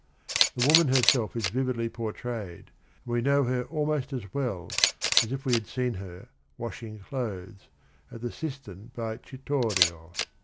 The woman herself is vividly portrayed, and we know her almost as well as if we had seen her washing clothes "at the cistern by Citorio."